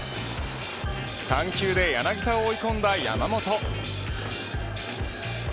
３球で柳田を追い込んだ山本。